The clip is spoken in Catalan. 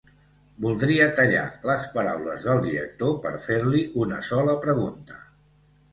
Voldria tallar les paraules del director per fer-li una sola pregunta.